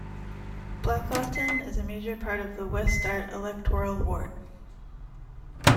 "Blackawton" is a major part of the West Dart electoral ward.